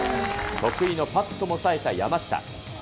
得意のパットもさえた山下。